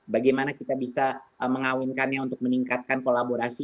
bagaimana kita bisa mengawinkannya untuk meningkatkan kolaborasi